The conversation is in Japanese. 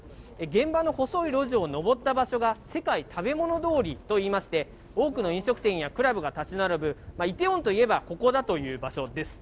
現場の細い路地を上った場所が世界食べ物通りといいまして、多くの飲食店やクラブが建ち並ぶイテウォンといえばここだという場所です。